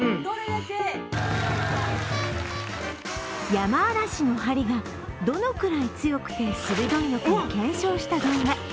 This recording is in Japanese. ヤマアラシの針がどのくらい強くて鋭いのかを検証した動画。